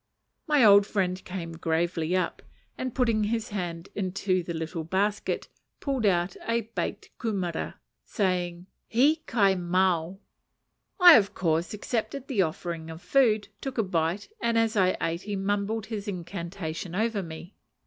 My old friend came gravely up, and putting his hand into the little basket pulled out a baked kumera, saying, "He kai mau." I of course accepted the offered food, took a bite, and as I ate he mumbled his incantation over me.